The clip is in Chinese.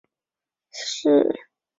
别名道佑。